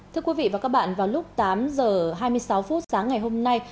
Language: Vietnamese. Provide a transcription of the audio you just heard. thưa quý vị và các bạn vào lúc tám h hai mươi sáu phút sáng ngày hôm nay